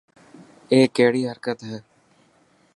اي ڪهڙي حرڪت هي.